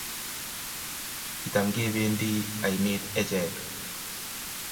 Kitam kependi ainet echeck